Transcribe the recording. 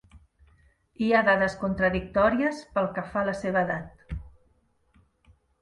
Hi ha dades contradictòries pel que fa a la seva edat.